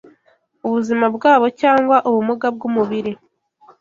ubuzima bwabo, cyangwa ubumuga bw’umubiri